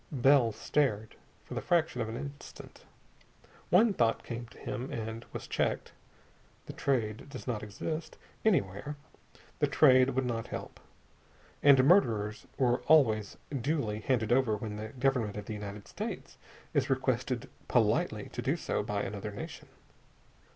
Bell stared, for the fraction of an instant. One thought came to him, and was checked. The Trade does not exist, anywhere. The Trade would not help. And murderers are always duly handed over when the Government of the United States is requested politely to do so by another nation.